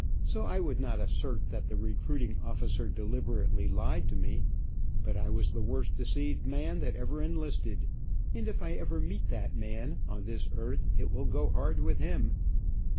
So I would not assert that the recruiting officer deliberately lied to me, but I was the worst deceived man that ever enlisted, and if I ever meet that man, on this earth, it will go hard with him.